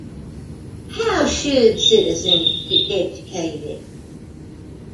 How should citizens be educated?